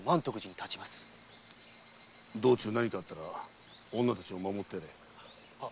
道中何かあったら女たちを守ってやれ。